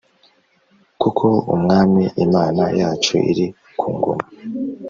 Kuko Umwami Imana yacu iri ku ngoma